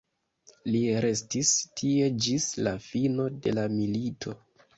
Li restis tie ĝis la fino de la milito.